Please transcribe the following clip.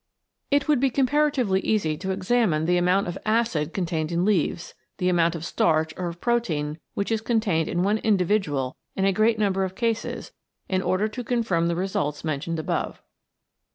It would be com paratively easy to examine the amount of acid contained in leaves, the amount of starch or of protein which is contained in one individual in a great number of cases in order to confirm the results mentioned above.